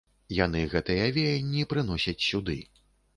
Яны гэтыя веянні прыносяць сюды.